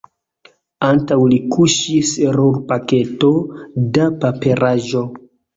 Antaŭ li kuŝis rulpaketo da paperaĵo.